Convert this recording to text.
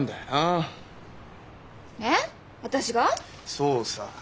そうさ。